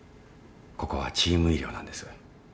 ここはチーム医療なんです。